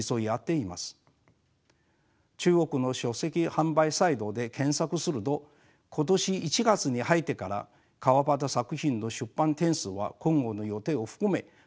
中国の書籍販売サイトで検索すると今年１月に入ってから川端作品の出版点数は今後の予定を含め８０冊を超えています。